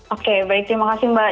oke baik terima kasih mbak